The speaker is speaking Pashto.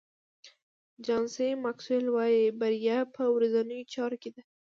جان سي ماکسویل وایي بریا په ورځنیو چارو کې ده.